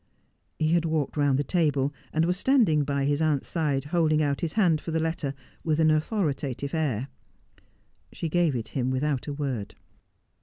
He had walked round the table, and was standing by his aunt's side holding out his hand for the letter, with an authori tative air. She gave it him without a word.